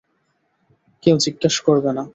কেউ জিজ্ঞেস করবে না।